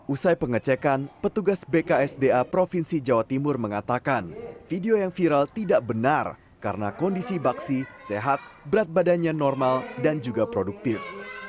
usai pengecekan petugas bksda provinsi jawa timur mengatakan video yang viral tidak benar karena kondisi baksi sehat berat badannya normal dan juga produktif